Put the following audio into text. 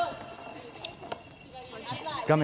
画面